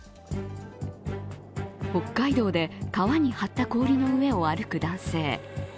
北海道で川に張った氷の上を歩く男性。